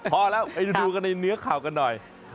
พอแล้วไปดูกันในเนื้อข่าวกันหน่อย